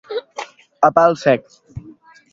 A pal sec.